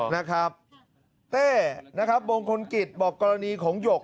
นะครับเต้นะครับมงคลกิจบอกกรณีของหยก